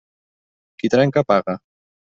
Qui trenca, paga.